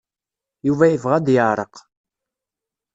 Yuba yebɣa ad yeɛreq.